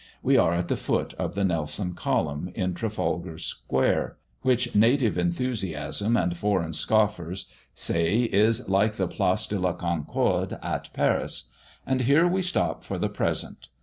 We are at the foot of the Nelson column, in Trafalgar square, which native enthusiasm and foreign scoffers say is like the Place de la Concorde at Paris. And here we stop for the present.